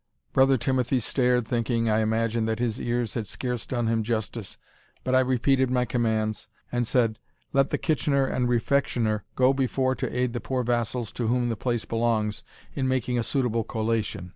Brother Timothy stared, thinking, I imagine, that his ears had scarce done him justice but I repeated my commands, and said, Let the Kitchener and Refectioner go before to aid the poor vassals to whom the place belongs in making a suitable collation.